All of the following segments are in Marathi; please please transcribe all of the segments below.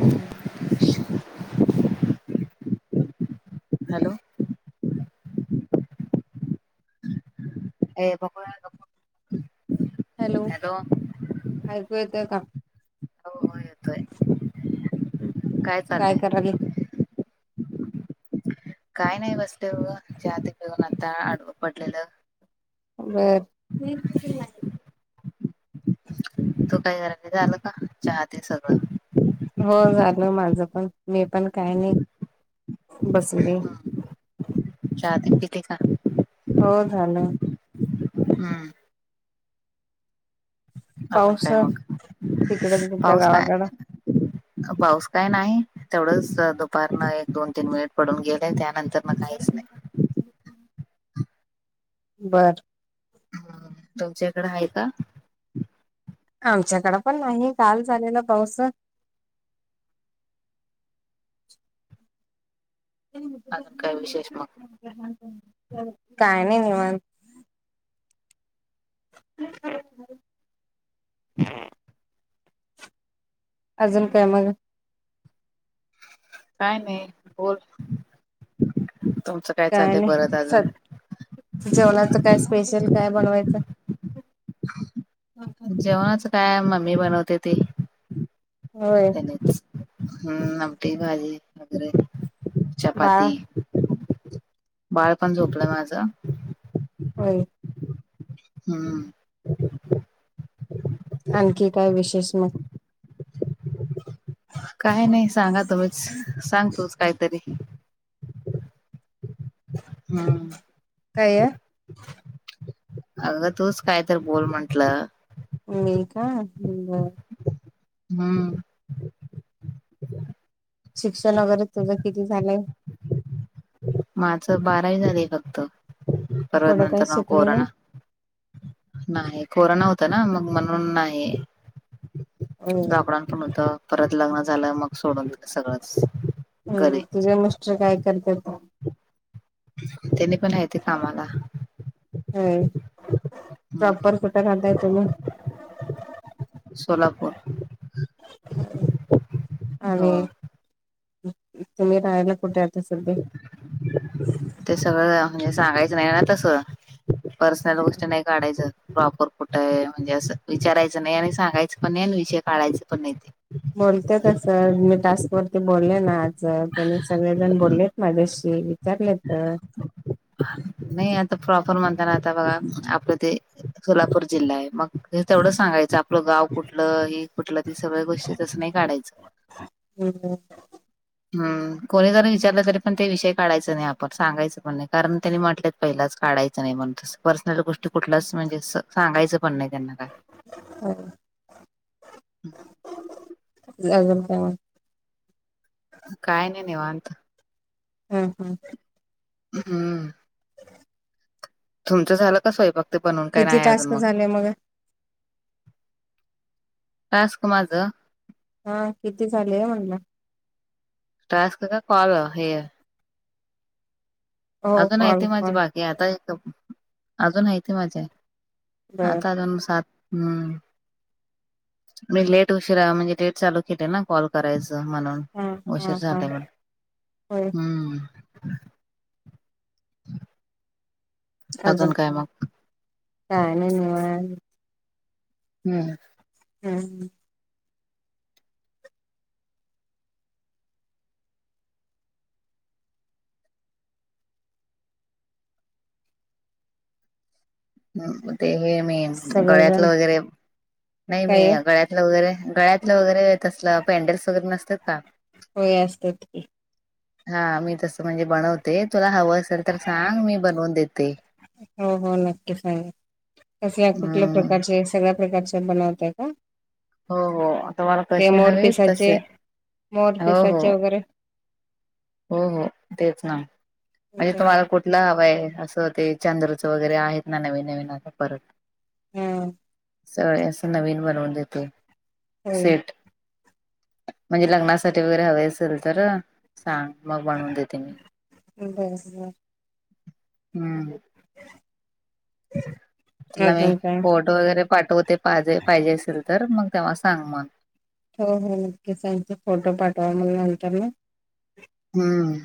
Hello hello. ए बकुळा बकु हॅलो ऐकू येतंय का? हो हो येतोय काय कराले काय नाही बसते बुआ चाहते पेऊन आता अड पडलेलं. बर [unintelligible] तू काही [unintelligible] जणांनी झालं का हते सगळं. हो झालं माझं पण मी पण काय नाही बसली. यह बी पीते का? हो झालंय. हम्म. अजून पाऊस काय मग तिकड तुमच्या पाऊस काय? गावाकड पाऊस काय नाही तेवढंच दुपारनं एक दोन तीन मिनिट पडून गेले त्या नंत तर मग काहीच नाही. बरं. ह तुमच्या इकडें हाय का? आमच्याकडं पण नाही काल झालेलं पाऊस. हम् [unintelligible] आजून काय विशेष माग? काय नाही निवांत. अजून काय मग? काय नाही बोल तुमचं. काय चाललंय नाही परत सल अजून जेवणाच काय स्पेशल काय बनवायचं. [unintelligible] जेवणाच काय मम्मी बनवते ते. होय. हम्म आमटी भाजी वगैरे बाळ चपाती. बाळ पण झोपलं माझं. होय. हम्म. आणखी काय विशेष मग? काय नाही सांगा तुम्हीच सांगतुच काही तरी. हम्म. काय? अगं तूच काय तर बोल म्हंटलं. मी का हम्म ब [unintelligible] हम्म. शिक्षण वगैरे तुझं किती झालंय. माझं बारावी झालीय फक्त परवत पुढं काही नंतर ना शिकली कोरा नाही नाही कोरोना होता ना, मग म्हणून नाही. [unintelligible] होय गाबडान पण होत परत लग्न झालं मग. सोडून दिलं सगळंच घरी हम्म तुझे मस्टर काय करतात मग. त्यांनी पण हाय ते कामाला. ह प्रॉपर हम्म कुटं राहताय तुम्ही. सोलापूर. हो आणि तु मी राहायला कुठे आता सध्या? ते सगळं म्हणजे सांगायचं नाही ना तस. पर्सनल गोष्टी नाही काढायचं. प्रॉपर कुठं आहे म्हणजे असं विचारायचं नाही आणि सांगायचं पण नाही आणि विषय काढायच पण नाही ते. बोलते तसं मी टास्क वरती बोलले ना आज त्यांनी सगळेजण बोललेत माझ्याशी. ते विचारलं तर. नाही आता प्रॉपर म्हणताना आता बघा आपलं ते सोलापूर जिल्हा आहे मग हे तेवढं सांगायचं आपलं गाव कुठलं हे कुठलं ते सगळ्या गोष्टी तसं नाही काढायचं. हम्म हम् कोणी जरी विचारलं तरी पण ते विषय काढायचं नाही आपण सांगायचं पण नाही. कारण त्यांनी म्हटलेत पहिलाच काढायचं नाही म्हण तसं पर्सनल गोष्टी कुठलाच म्हणजे सांगायचं पण नाही त्यांना. काय [unintelligible] काय नाही निवांत. हम् हम्. हम्म. तुमचं झालं का स्वयंपाक ते बनून काय किती नाही अजून टास्क मग. झाले टस्क माझं. हा किती झालेय म्हणल. टस्क का कॉल हे. हो अजून आहे कॉल ते माझी कॉल बाकी आता, अजून आहे ते माझे. बर आता दोन सात हम्म. मी लेट उशिरा म्हणजे लेट चालू केले ना कॉल करायचं म्हणून. हम्म. उशीर झालं [unintelligible] हम्. अजून काय मग [unintelligible] काय नाही निवा हम्म. हम्. ह् ते हे मी सगळेजण गळ्यातलं वगैरे, नाही मी काय गळ्यात वगैरे गळ्यातलं वगैरे तसलं पॅनडेल्स वगैरे नसतात का. होय असतात की. हा मी तसं म्हणजे बनवते तुला हवं असेल तर सांग मी बनवून देते. हो हो नक्की सांगल, कसल्या कुठल्या हम्म प्रकारचे सगळ्या प्रकारच्या बनवताय का? हो हो तुम्हाला ते कसे मोर हवे तसे, पिसाचे मोर हो हो. पिसाचे वगैरे हो हो तेच ना, म्हणजे बर तुम्हाला कुठ कठलं हवा आहे असं ते चांंद्रचं वगैरे आहेत ना नवीन नवीन आता परत. हम्म. स असं नवीन बनवून देतोय, होय सेट. म्हणजे लग्नासाठी वगैरे हवे असेल तर सांग मग बनवून देते मी, बर बर हम्म. [unintelligible] अजून काय वगैरे पाठवते पाहिजे असेल तर मग तेव्हा सांग मग. हो हो नक्की सांगते फोटो पाठवा मला नंतर न. हम्म.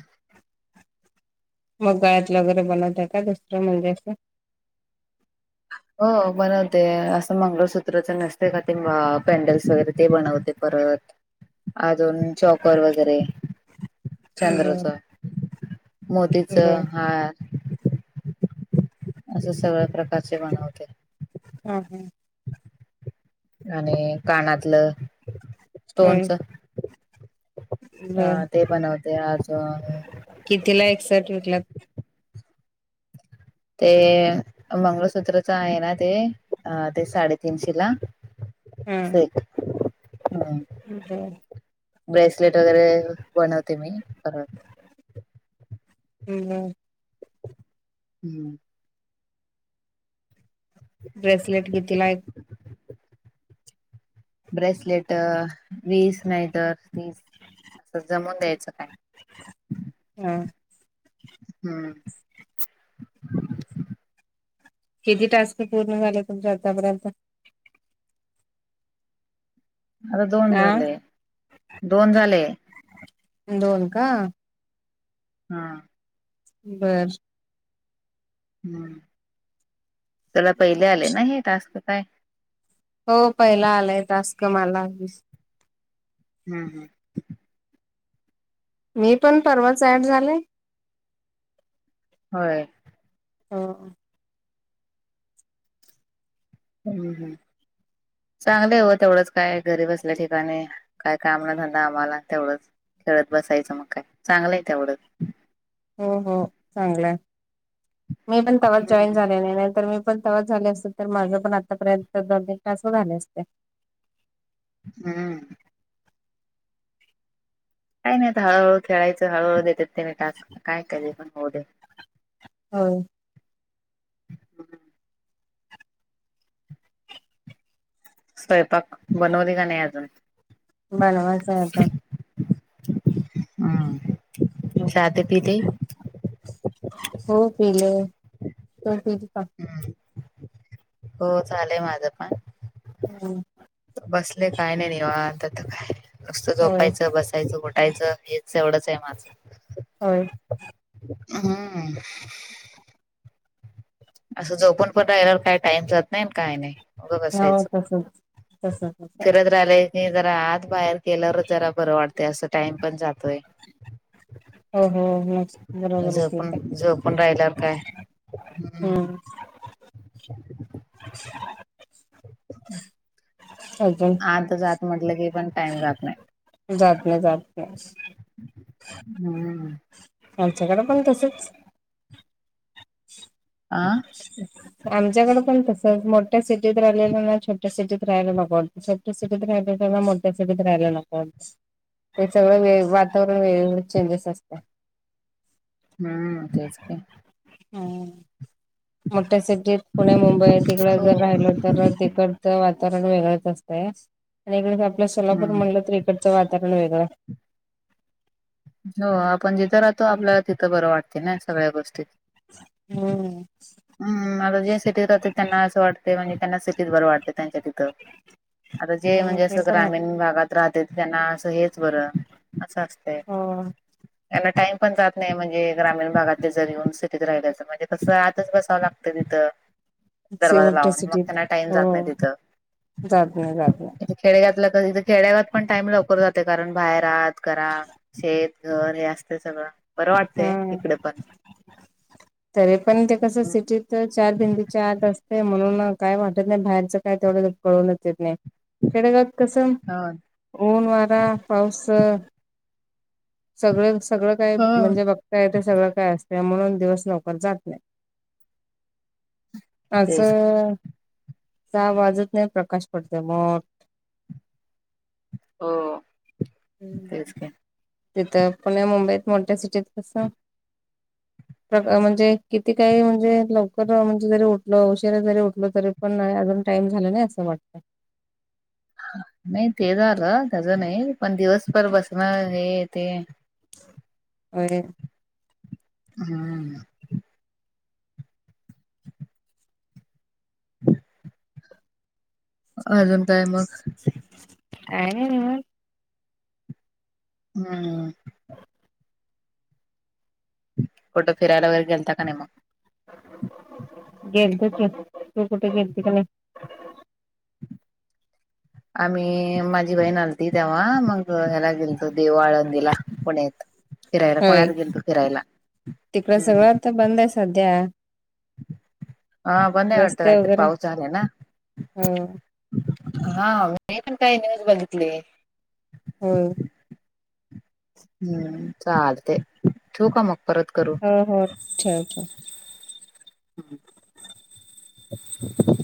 मग गळ्यातलं वगैरे बनवत आहे का दुसरं म्हणजे असं. हो बनवते असं मंगळसूत्रच नसते का ते पॅन्डल्स वगैरे ते बनवते. परत अजून चौकर वगैरे चंद्रच. मोतीच बर बर हार. असे सगळ्या प्रकारचे बनवते. हम हम, आणि कानातलं. होय स्टोनच, अ बर ते बनवते अजून, कितीला, एक सर्ट विकला? ते मंगळसूत्रच आहे ना, ते अ ते साडेतीनशे ला. हा बर [unintelligible] ब्रेसलेट वगैरे बनवते, मी परत हम्म, हम, ब्रेसलेट कितीला एक, ब्रेसलेट वीस नाही, तर तीस अस जमून द्यायचं काय. हम, हम्म, किती टास्क पूर्ण झाले, तुमच्या आतापर्यंत? आता दोन आ झाले, दोन झाले! दोन का! हा, बर, हम्, तुला पहिले आले ना हे टास्क, काय? हो पहिला आलाय टास्क मला. हम्, मी पण परवाच ऍड झाले, होय, हम, हम्म, हम् चांगलं हो तेवढंच, काय घरी बसल्या ठिकाणी. काय, काम नधंदा आम्हाला तेवढंच करत, बसायचं मग काय चांगलं आहे तेवढंच. हम हम, चांगलंय मी पण तेव्हा, हम्म जॉईन झाले नाही नाहीतर मी, पण तंवच झाले असत तर, माझं पण आतापर्यंत दोन, तीन टास्क झाले असते. हम्म, काही नाही, आता हळूहळू खेळायचं, हळूहळू देतात त्यांनी टाक काय कर पण होऊ दे. होय, [unintelligible] स्वयंपाक बनवली, का नाही अजून? बनवायच आता. हम चहा तेन पिते, हो पेले तुम्ही पेला का, हम्म, हो झालय माझं पण. हम, बसले काय नाही, निवाता तर काय, मस्त होय झोपायचं, बसायचं, घोटायचं हेच एवढंच आहे माझं. होय, हम, असं झोपून पण राहिल्यावर काही, टाइम जात नाही काही नाही. उगं बसायचं हो तसच तस, तस फिरत राहिलेय की जरा, आत बाहेर केलं र जरा बरं वाटत असं टाइम पण जातोय. हो हो बरोबर झोपून ठीक आहे झोपून, राहिल्यावर काय? हम्म, [inaudible] [inaudible] [unintelligible] आत जात म्हटलं की पण टाइम जात नाही. जात नाही, जात नाही. हम्म, आमच्याकडे, पण तसच. आह, आमच्याकडे पण तसच मोठ्या सिटीत राहिलेल्यांना छोट्या सिटीत राहिला नको वाटतंय छोट्या सिटीत राहिलेल्यांना मोठ्या सिटीत राहयला नको वाटतय ते सगळं वे वातावरण वेगवेगळ चेंजेस असत - हम् तेच की हम् मोठ्या सीटीत पुणे मुंबई तिकड हो जर राहिल तर तिकडचं वातावरण वेगळंच असतंय आणि इकडे आपलं सोलापूर हम्म म्हणलं तर इकडच वातावरण वेगळं हो आपण जिथं राहतो आपल्याला तिथं बरं वाटत ना सगळ्या गोष्टी हम्म हम् आता जे सिटीत राहते त्यांना असं वाटतेय म्हणजे त्यांना सिटीत बरं वाटते त्यांच्या तिथं आता जे हो म्हणजे ते असं तर आहे. ग्रामीण भागात राह त्यात त्यांना असं हेच बरं असं असतय हो त्यांना टाइम पण जात नाही म्हणजे ग्रामीण भागातले जर येऊन सिटीत राहिल्याचं म्हणजे कसं आतच बसावं लागतं तिथं दरवाजा शेवटच्या लावून मग सिटीत त्यांना टाइम हो जात नाही जात नाही जात नाही खेडगावातलं कधी खेड्यागात पण टाइम लवकर जाते कारण बाहेर आत करा शेत घर हे असते सगळं बरं वाटतेय हम्म. इकडे पण [inaudible] तरी पण ते कसं सिटीत चार भिंतीच्या आत असतय म्हणून काय वाटत नाही बाहेरचं काय तेवढं कळुनच येत नाही खेडेगात कसं हो ऊन वारा पाऊस - सगळं सगळं काय हो म्हणजे बघताय ते सगळं काय असते म्हणून दिवस लवकर जात नाही तेच असं सा वाजत नाही प्रकाश पडते मग हो ह् तेच का तिथं पुण्या मुंबईत मोठ्या सिटीत कस प्र म्हणजे किती काही म्हणजे लवकर म्हणजे जरी उठलो उशीरा जरी उठलो तरी पण नाही अजून टाम झाल नाही असं वाटतंय नाही ते झालं त्याच नाही पण दिवसभर बसण हे ते होय हम्म अजून काय मग काय नाई निवांत हम्म कोटं फिरायला वगैरे गेल ता का नाही मग गेलतो की तू कुठ गेलती बाहेर आम्ही माझी बहीण ती तवा ह्याला गेलतो देहू अळंदीला पुण्यात फिरायल होय पुण्याला गेलतो फिरायला तिकडं सगळं आता बंद आहे सध्या हा बंद आहे वाटत रस्ते कायतर वगैरे पाऊस झालाय ना हो हा मी पण काय न्यूज बघितली हम् हम्म चालते ठेवू का मग परत करू. हो हो ठेवतो. [inaudible]